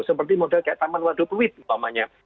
seperti modal kayak taman waduk wit mpamanya